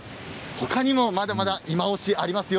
他にも、まだまだいまオシがありますよ。